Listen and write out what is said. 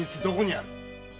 どこにある？